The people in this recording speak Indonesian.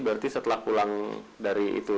berarti setelah pulang dari itu